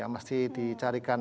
masih di carikan